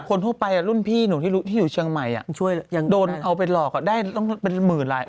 คนทั่วไปรุ่นพี่หนูที่อยู่เชียงใหม่ช่วยยังโดนเอาไปหลอกได้ต้องเป็นหมื่นลาย